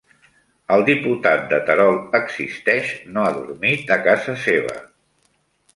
El diputat de Terol Existeix no ha dormit a casa seva